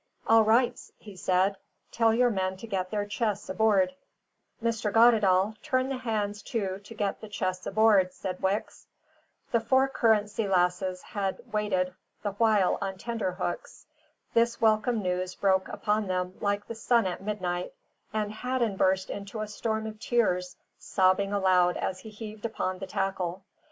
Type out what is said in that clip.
"All right," he said. "Tell your men to get their chests aboard." "Mr. Goddedaal, turn the hands to to get the chests aboard," said Wicks. The four Currency Lasses had waited the while on tenter hooks. This welcome news broke upon them like the sun at midnight; and Hadden burst into a storm of tears, sobbing aloud as he heaved upon the tackle.